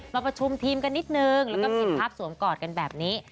มาประชุมทีมกันนิดนึงแล้วก็ผิดภาพสวมกอดกันแบบนี้